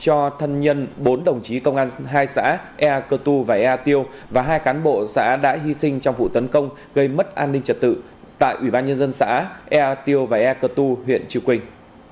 công an huyện trư quynh đã tổ chức lễ công bố quyết định của thủ tướng chính phủ và trao bằng tổ quốc ghi công cho thân nhân bốn đồng chí công an hai xã ea cơ tu và ea tiêu và hai cán bộ xã đã hy sinh trong vụ tấn công gây mất an ninh trật tự tại ủy ban nhân dân xã ea tiêu và ea cơ tu huyện trư quynh